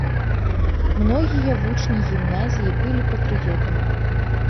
Многія вучні гімназіі былі патрыётамі.